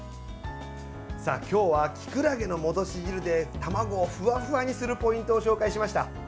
今日は、きくらげの戻し汁で卵をふわふわにするポイントを紹介しました。